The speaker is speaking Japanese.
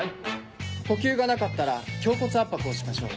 呼吸がなかったら胸骨圧迫をしましょう。